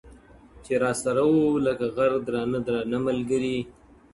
چي راسره وه لکه غر درانه درانه ملګري,